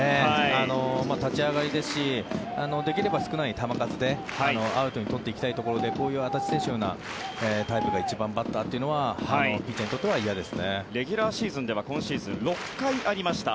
立ち上がりですしできれば少ない球数でアウトに取っていきたいところでこういう安達選手のようなタイプが１番バッターというのはレギュラーシーズンでは今シーズン６回ありました。